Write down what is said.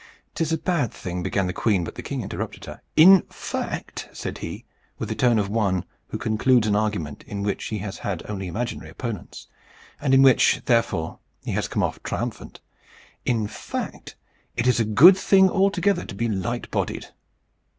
"'Tis a bad thing " began the queen; but the king interrupted her. "In fact," said he, with the tone of one who concludes an argument in which he has had only imaginary opponents, and in which, therefore, he has come off triumphant "in fact, it is a good thing altogether to be light bodied."